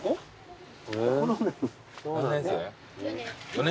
４年。